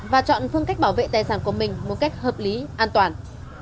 và chọn phương cách bảo vệ tài sản của mình một cách hợp lý an toàn